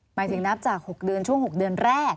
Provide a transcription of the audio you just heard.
หมายถึงนับช่วง๖เดือนตั้งแรก